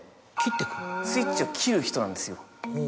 スイッチを切る人なんですよ。